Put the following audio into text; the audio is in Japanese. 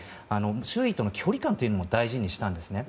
周囲との距離感を大事にしたんですね。